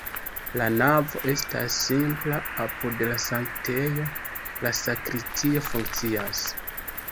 La navo estas simpla, apud la sanktejo la sakristio funkcias.